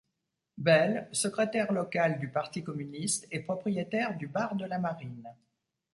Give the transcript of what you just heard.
Belle, secrétaire local du pari communiste et propriétaire du Bar de la Marine.